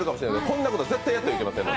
こんなこと絶対やってはいけません。